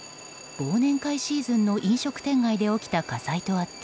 忘年会シーズンの飲食店街で起きた火災とあって